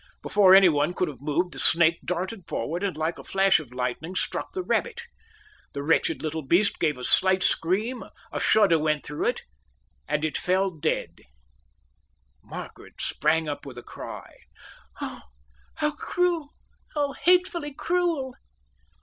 Before anyone could have moved, the snake darted forward, and like a flash of lightning struck the rabbit. The wretched little beast gave a slight scream, a shudder went through it, and it fell dead. Margaret sprang up with a cry. "Oh, how cruel! How hatefully cruel!"